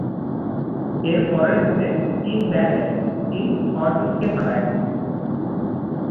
এর পরের ম্যাচে টিম ব্যারেট টিম অরটন কে হারায়।